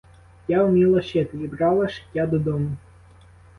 Я вміла шити і брала шиття додому.